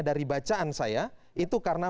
dari bacaan saya itu karena